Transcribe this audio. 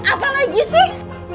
apa lagi sih